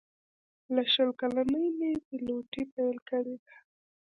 له شل کلنۍ مې پیلوټي پیل کړې ده.